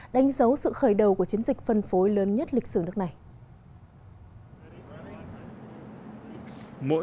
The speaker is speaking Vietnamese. đánh dấu sự khởi đầu của chiến dịch phân phối lớn nhất lịch sử nước này